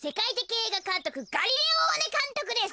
えいがかんとくガリレオーネかんとくです。